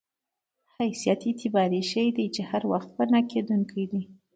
حیثیت اعتباري شی دی چې هر وخت پناه کېدونکی دی.